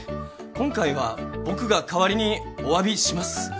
今回は僕が代わりにおわびします。